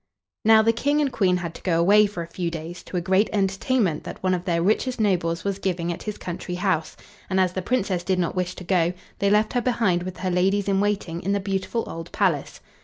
Now, the King and Queen had to go away for a few days to a great entertainment that one of their richest nobles was giving at his country house; and, as the Princess did not wish to go, they left her behind with her ladies in waiting in the beautiful old palace.